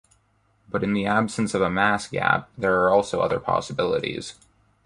But in the absence of a mass gap, there are also other possibilities.